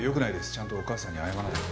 ちゃんとお母さんに謝らないと。